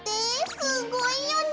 すごいね！